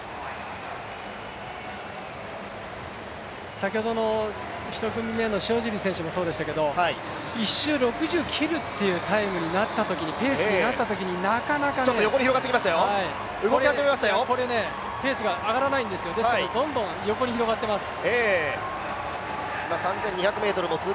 先ほどの１組目の塩尻選手もそうでしたけど１周６０を切るというペースになったときに、なかなかこれね、ペースが上がらないんですよですからどんどん横に広がっています。